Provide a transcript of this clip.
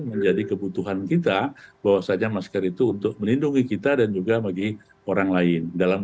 menjadi kebutuhan kita bahwa saja masker itu untuk melindungi kita dan juga bagi orang lain dalam